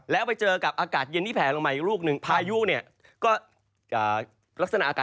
แล้วไปเจอกับอากาศเย็นที่แผลลงมาอีกลูกหนึ่ง